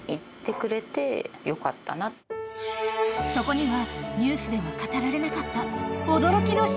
［そこには］